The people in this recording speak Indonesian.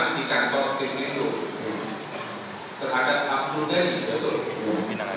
di kantor di klinkung